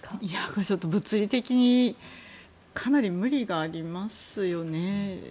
これはちょっと物理的にかなり無理がありますよね。